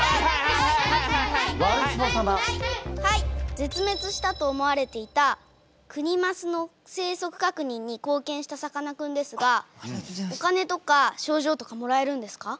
ぜつめつしたと思われていたクニマスの生息かくにんにこうけんしたさかなクンですがお金とか賞状とかもらえるんですか？